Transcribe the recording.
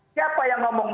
siapa yang berkomunikasi